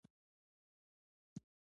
دغه کار وروسته پاتې اقتصاد بنسټ کېښود.